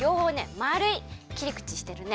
まるい切りくちしてるね。